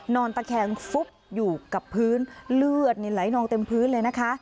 นอนตะแคงฟุบอยู่กับพื้นเลือดนี่ไหลนองเต็มพื้นเลยนะคะ